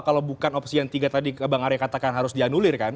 kalau bukan opsi yang tiga tadi bang arya katakan harus dianulir kan